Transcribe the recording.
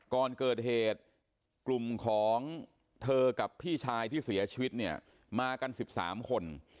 ก่อนเกิดเหตุกลุ่มของเธอกับพี่ชายที่เสียชีวิตเนี่ยมากัน๑๓คน